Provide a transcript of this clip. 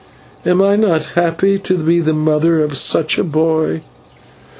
Am I not happy to be the mother of such a boy?"